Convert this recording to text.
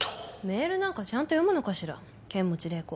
メールなんかちゃんと読むのかしら剣持麗子。